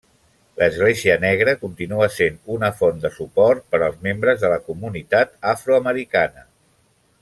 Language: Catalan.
L'església negra continua sent una font de suport per als membres de la comunitat afroamericana.